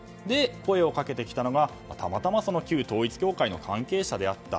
声をかけてきたのがたまたま旧統一教会の関係者であった。